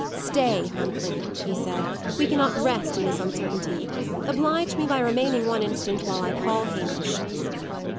"Stay, Huntley," he said, "we cannot rest in this uncertainty. Oblige me by remaining one instant, while I call Hamish."